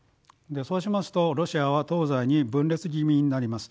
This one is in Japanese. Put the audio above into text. そうしますとロシアは東西に分裂気味になります。